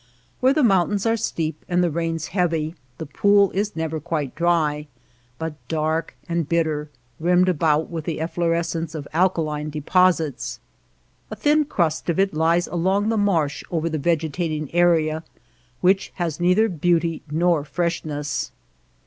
Where the moun tains are steep and the rains heavy, the pool is never quite dry, but dark and bitter, rimmed about with the efflorescence of al kaline deposits. A thin crust of it lies along the marsh over the vegetating area, which has neither beauty nor freshness.